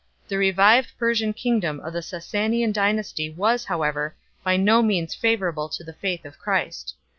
The revived Persian kingdom of the Sassanian dynasty was however by no means favourable to the faith of Christ.